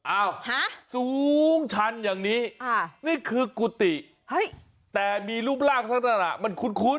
สูงชันอย่างนี้นี่คือกุฏิแต่มีรูปร่างลักษณะมันคุ้น